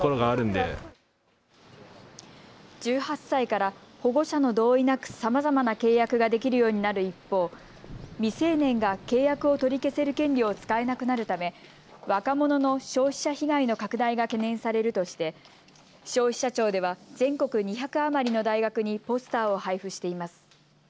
１８歳から保護者の同意なくさまざまな契約ができるようになる一方、未成年が契約を取り消せる権利を使えなくなるため若者の消費者被害の拡大が懸念されるとして消費者庁では全国２００余りの大学にポスターを配布しています。